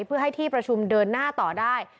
เพื่อให้ที่ประชุมเดินหน้าต่อได้